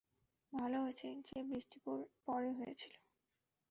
ভাল হয়েছে যে বৃষ্টি পরে হয়েছিল।